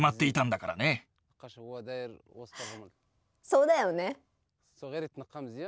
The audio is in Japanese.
そうだよね。